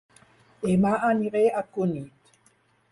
Dema aniré a Cunit